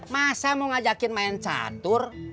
masa mau ngajakin main catur